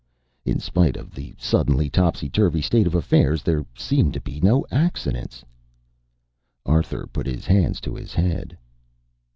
In spite of the suddenly topsyturvy state of affairs there seemed to be no accidents. Arthur put his hands to his head.